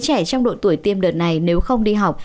trẻ trong độ tuổi tiêm đợt này nếu không đi học